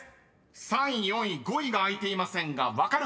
［３位４位５位が開いていませんが分かる方］